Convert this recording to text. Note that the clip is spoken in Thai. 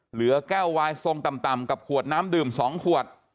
เหลือแก้ววายทรงต่ำกับขวดน้ำดื่ม๒ขวด